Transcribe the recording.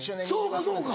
そうかそうか。